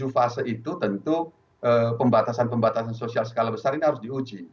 tujuh fase itu tentu pembatasan pembatasan sosial skala besar ini harus diuji